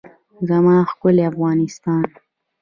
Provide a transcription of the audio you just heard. زما ښکلی افغانستان.